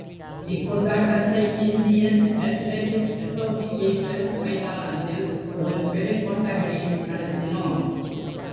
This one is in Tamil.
இக்கொண்டாட்டத்தை இந்தியன் ஆத்லடிக் அசோசியேஷன் மைதானத்தில் ஒரு பெருங்கொட்டகையில் நடத்தினோம்.